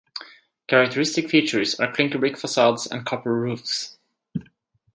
Characteristic features are clinker brick facades and copper roofs.